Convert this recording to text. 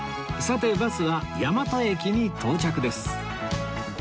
さてバスは大和駅に到着です